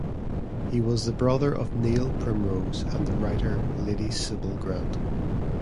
He was the brother of Neil Primrose and the writer Lady Sybil Grant.